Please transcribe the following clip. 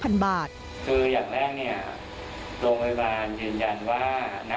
คืออย่างแรกโรงพยาบาลยืนยันว่า